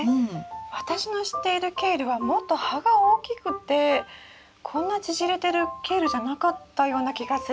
私の知っているケールはもっと葉が大きくてこんな縮れてるケールじゃなかったような気がするんですけど。